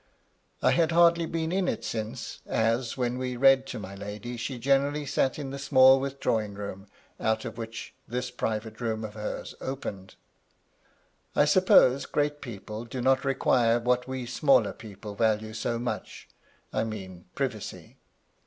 I had hardly been in it since; as, when we read to my lady, she generally sat in the small withdrawing room out of which this private room of hers opened I suppose great people do not require what we smaller people value so much, — I mean privacy.